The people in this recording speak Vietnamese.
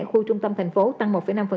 khu trung tâm thành phố tăng một năm